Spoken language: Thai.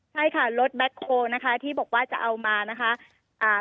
ใช่ค่ะรถแบ็คโฮลนะคะที่บอกว่าจะเอามานะคะอ่า